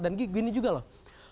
dan gini juga loh